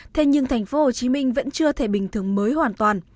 thế nhưng thành phố hồ chí minh vẫn chưa thể bình thường mới hoàn toàn